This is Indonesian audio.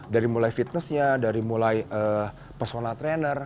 dari mulai fitnessnya dari mulai personal trainer